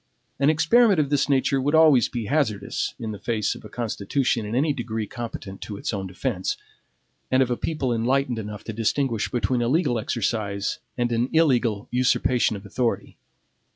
An experiment of this nature would always be hazardous in the face of a constitution in any degree competent to its own defense, and of a people enlightened enough to distinguish between a legal exercise and an illegal usurpation of authority.